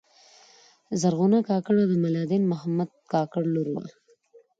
زرغونه کاکړه د ملا دین محمد کاکړ لور وه.